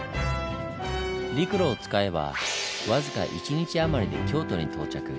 陸路を使えば僅か１日余りで京都に到着。